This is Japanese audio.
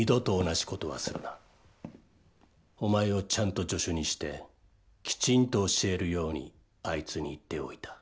お前をちゃんと助手にしてきちんと教えるようにあいつに言っておいた。